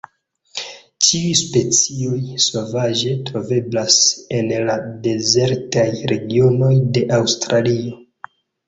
Ĉiuj specioj sovaĝe troveblas en la dezertaj regionoj de Aŭstralio.